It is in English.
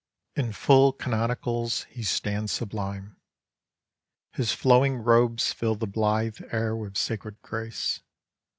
In full canonicals he stands sublime. His flowing robes fill the blithe air with sacred grace.